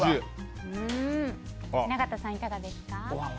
雛形さん、いかがですか？